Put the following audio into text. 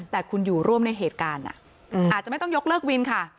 แต่คุณอยู่ร่วมในเหตุการณ์อาจจะไม่ต้องยกเลิกวินค่ะ